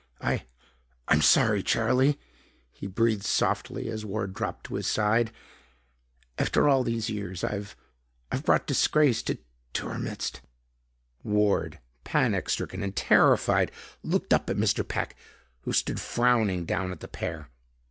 "I I'm sorry, Charlie," he breathed softly as Ward dropped to his side. "After all these years, I I've brought disgrace to to our midst." Ward, panic stricken and terrified, looked up at Mr. Peck, who stood frowning down at the pair.